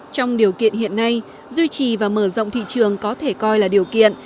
trong điều kiện hiện nay duy trì và mở rộng thị trường có thể coi là điều kiện